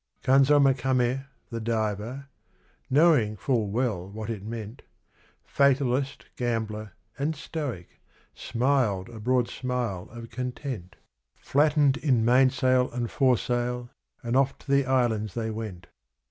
Kanzo Makame, the diver knowing full well what it meant Fatalist, gambler, and stoic, smiled a broad smile of content, Flattened in mainsail and foresail, and off to the Islands they went.